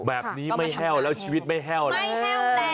แบบนี้ไม่แห้วแล้วชีวิตไม่แห้วแล้ว